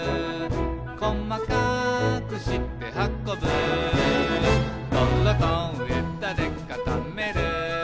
「こまかくしてはこぶ」「どろとえだでかためる」